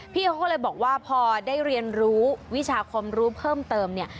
พี่เขาก็เลยบอกว่าพอได้เรียนรู้วิชาความรู้เพิ่มเติมเนี่ย